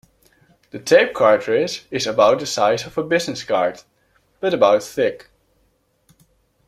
The tape cartridge is about the size of a business card, but about thick.